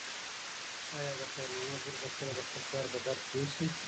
ایا د خیر محمد لور به کله د خپل پلار په درد پوه شي؟